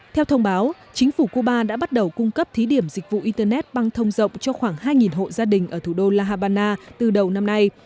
theo thông báo chính phủ cuba đã bắt đầu cung cấp thí điểm dịch vụ internet băng thông rộng cho khoảng hai hộ gia đình ở thủ đô la habana từ đầu năm nay